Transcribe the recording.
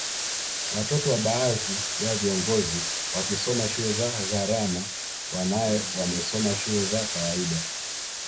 Watoto wa baadhi ya viongozi wakisoma shule za gharama wanae wamesoma shule za kawaida